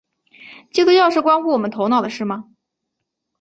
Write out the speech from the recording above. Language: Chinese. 基督教是关乎我们头脑的事吗？